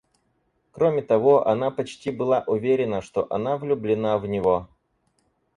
Кроме того, она почти была уверена, что она влюблена в него.